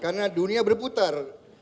karena dunia berputar